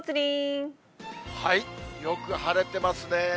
よく晴れてますね。